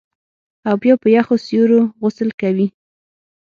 او بیا په یخو سیورو غسل کوي